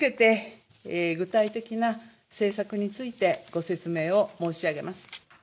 続けて、具体的な政策についてご説明を申し上げます。